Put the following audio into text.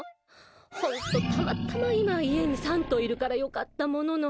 ホントたまたま今、家に３頭いるからよかったものの。